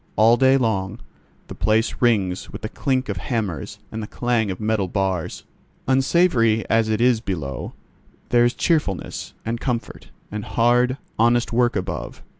All day long the place rings with the clink of hammers and the clang of metal bars. Unsavoury as it is below, there is cheerfulness, and comfort, and hard, honest work above.